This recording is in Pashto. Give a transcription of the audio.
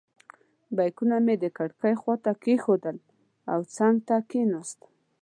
بیکونه مې د کړکۍ خواته کېښودل او څنګ ته کېناستم.